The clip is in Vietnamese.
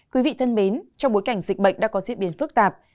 quý vị thân mến trong bối cảnh dịch bệnh đã có diễn biến phức tạp